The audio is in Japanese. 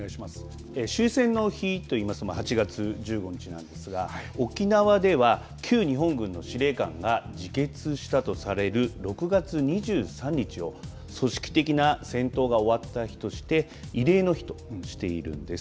終戦の日と言いますと８月１５日なんですが沖縄では、旧日本軍の司令官が自決したとされる６月２３日を組織的な戦闘が終わった日として慰霊の日としているんです。